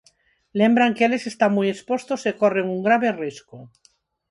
Lembran que eles están moi expostos e corren un grave risco.